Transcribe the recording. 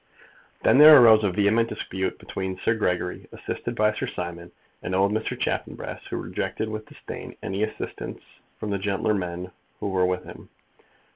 Then there arose a vehement dispute between Sir Gregory, assisted by Sir Simon, and old Mr. Chaffanbrass, who rejected with disdain any assistance from the gentler men who were with him.